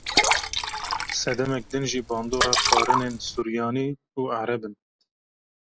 Sedemek din jî bandora xwarinên suryanî û ereb in.